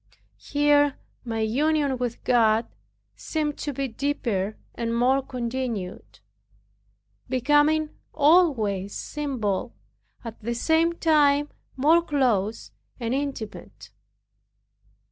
Here my union with God seemed to be deeper and more continued, becoming always simple, at the same time more close and intimate.